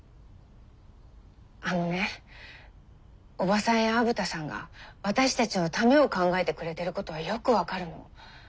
あのねおばさんや虻田さんが私たちのためを考えてくれてることはよく分かるの。